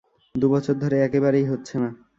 দু বছর ধরে একেবারেই হচ্ছে না।